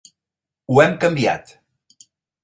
Ho hem canviat.